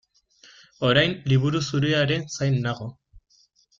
Orain Liburu Zuriaren zain nago.